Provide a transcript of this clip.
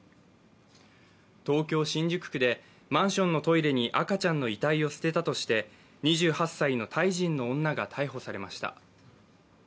東京・新宿区でマンションのトイレに赤ちゃんの遺体を捨てたとして２８歳のタイ人の女が逮捕されました。